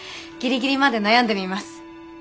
ギリギリまで悩んでみます。